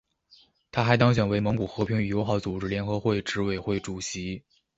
他还当选为蒙古和平与友好组织联合会执委会主席。